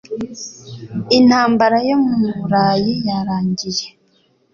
Intambara yo mu Burayi yarangiye.